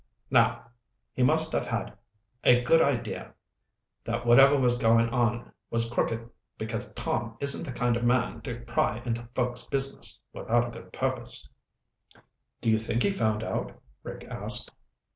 Now! He must have had a good idea that whatever was going on was crooked, because Tom isn't the kind of man to pry into folks' business without a good purpose." "Do you think he found out?" Rick asked.